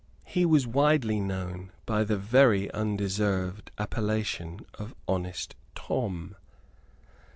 He was widely known by the very undeserved appellation of Honest Tom.